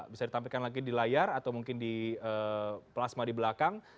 bisa ditampilkan lagi di layar atau mungkin di plasma di belakang